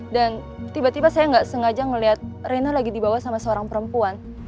dan tiba tiba saya gak sengaja ngelihat rena lagi di bawah sama seorang perempuan